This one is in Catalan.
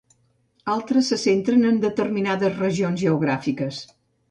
Altres se centren en determinades regions geogràfiques.